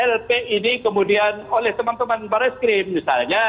lp ini kemudian oleh teman teman mbak reskrim misalnya